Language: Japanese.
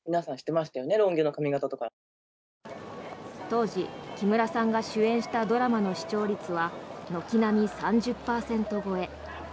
当時、木村さんが主演したドラマの視聴率は軒並み３０％超え。